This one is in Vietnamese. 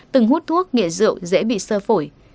từng hút thuốc nghệ rượu dễ bị sơ phổi